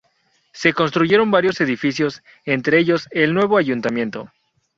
Se construyeron varios edificios, entre ellos el nuevo Ayuntamiento.